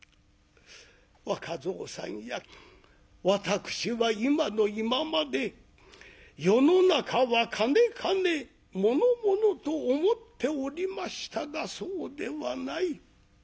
「若蔵さんや私は今の今まで世の中は金金物物と思っておりましたがそうではない。